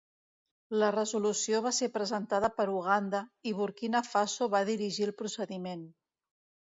La resolució va ser presentada per Uganda, i Burkina Faso va dirigir el procediment.